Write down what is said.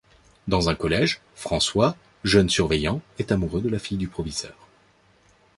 Dans un collège, François, jeune surveillant, est amoureux de la fille du proviseur.